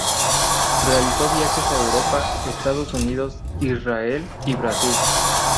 Realizó viajes a Europa, Estados Unidos, Israel y Brasil.